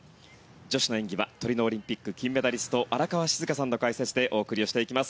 女子の演技はトリノオリンピック金メダリスト荒川静香さんの解説でお送りをしていきます。